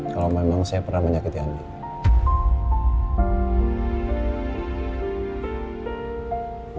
kalau memang saya pernah menyakiti anak